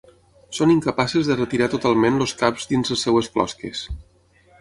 Són incapaces de retirar totalment els caps dins les seves closques.